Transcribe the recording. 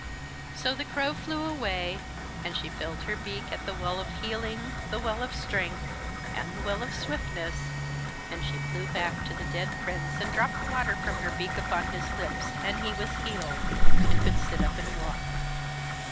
So the crow flew away, and she filled her beak at the well of healing, the well of strength, and the well of swiftness, and she flew back to the dead prince and dropped the water from her beak upon his lips, and he was healed, and could sit up and walk.